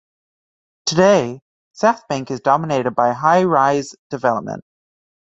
Today, Southbank is dominated by high-rise development.